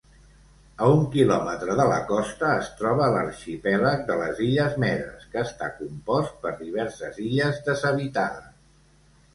A un quilòmetre de la costa es troba l'arxipèlag de les Illes Medes, que està compost per diverses illes deshabitades.